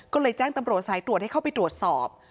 ก็เลยแจ้งตำรวจสายตรวจให้เข้าไปตรวจสอบ